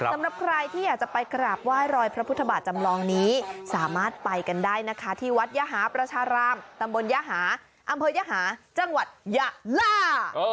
สำหรับใครที่อยากจะไปกราบไหว้รอยพระพุทธบาทจำลองนี้สามารถไปกันได้นะคะที่วัดยหาประชารามตำบลยหาอำเภอยหาจังหวัดยะล่า